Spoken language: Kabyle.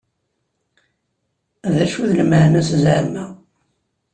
D acu d lmeɛna-s zeɛma?